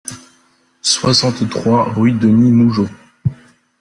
soixante-trois rue Denis Mougeot